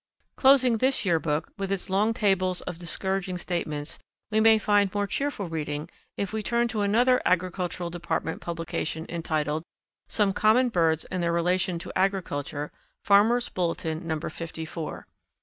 Closing this Year Book, with its long tables of discouraging statements, we may find more cheerful reading if we turn to another Agricultural Department publication entitled, "Some Common Birds and Their Relation to Agriculture; Farmers Bulletin number Fifty four."